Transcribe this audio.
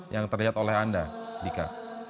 yang terlihat oleh anda dika